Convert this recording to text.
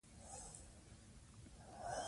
هغې د خپلې کورنۍ له ملاتړ سره ادب ته مینه پیدا کړه.